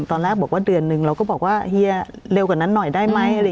ตอนแรกบอกว่าเดือนหนึ่งเราก็บอกว่าเฮียเร็วกว่านั้นหน่อยได้ไหม